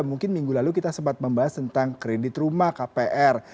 mungkin minggu lalu kita sempat membahas tentang kredit rumah kpr